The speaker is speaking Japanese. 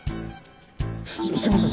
すみません